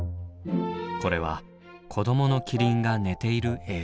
これは子どものキリンが寝ている映像。